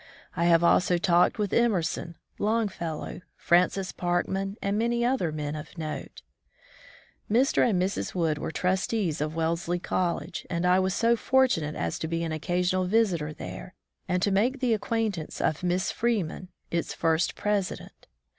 I have also talked with Emerson, Longfellow, Francis Parkman, and many other men of note. Mr. and Mrs. Wood were trustees of Wellesley College and I was so fortunate as to be an occasional visitor there, and to make the acquaintance of Miss Freeman, its first president.